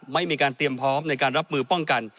ไม่มีการเตรียมพร้อมในการรับมือป้องกัน